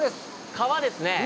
川ですね。